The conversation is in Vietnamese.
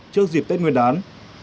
trước dịp tết nguyên đán